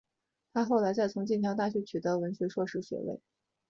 她后来再从剑桥大学取得文学硕士学位。